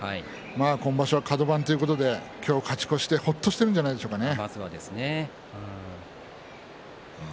今場所はカド番ということで今日勝ち越してほっとしているんじゃないでしょうかね。